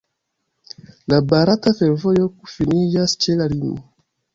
La barata fervojo finiĝas ĉe la limo.